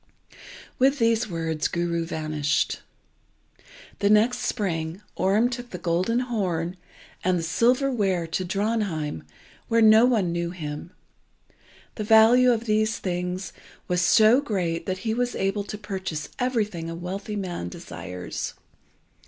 With these words Guru vanished. The next spring Orm took the golden horn and the silver ware to Drontheim where no one knew him. The value of the things was so great that he was able to purchase everything a wealthy man desires.